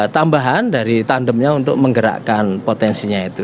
tambahan dari tandemnya untuk menggerakkan potensinya itu